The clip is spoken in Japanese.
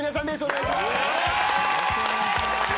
お願いします。